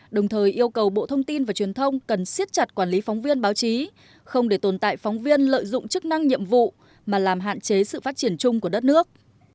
đồng thời yêu cầu bộ thông tin và truyền thông cần siết chặt quản lý phóng viên báo chí không để tồn tại phóng viên lợi dụng chức năng nhiệm vụ mà làm hạn chế sự phát triển chung của đất nước